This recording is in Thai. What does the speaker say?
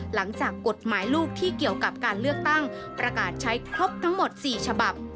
หลังจากกฎหมายลูกที่เกี่ยวกับการเลือกตั้งประกาศใช้ครบทั้งหมด๔ฉบับ